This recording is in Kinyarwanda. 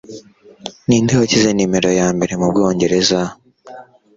Ninde wagize numero ya mbere m’ Ubwongereza